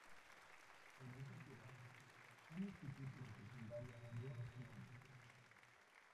En esa ciudad un instituto de secundaria lleva su nombre.